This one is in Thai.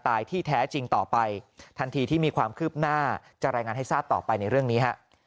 ที่แท้จริงต่อไปทันทีที่มีความคืบหน้าจะรายงานให้ทราบต่อไปในเรื่องนี้ฮะ